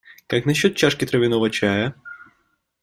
Как насчет чашки травяного чая?